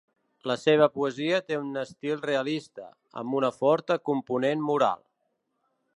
La seva poesia té un estil realista, amb una forta component moral.